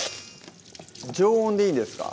常温でいいんですか？